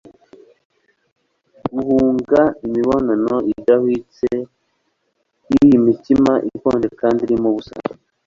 ah! guhunga imibonano idahwitse yiyi mitima ikonje kandi irimo ubusa